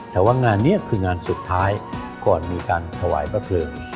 แต่ว่างานนี้คืองานสุดท้ายก่อนมีการถวายพระเพลิง